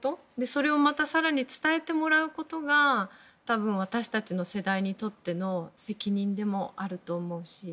それをまた更に伝えてもらうことが多分、私たちの世代にとっての責任でもあると思うし。